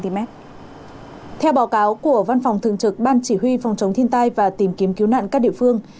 theo báo cáo của văn phòng thường trực ban chỉ huy phòng chống thiên tai và tìm kiếm cứu nạn các địa phương